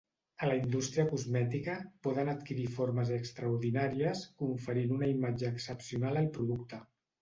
A la indústria cosmètica, poden adquirir formes extraordinàries conferint una imatge excepcional al producte.